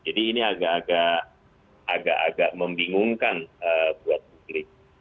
jadi ini agak agak membingungkan buat publik